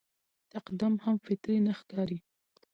تقدم هم فطري نه ښکاري.